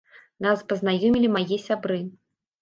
Нас пазнаёмілі мае сябры.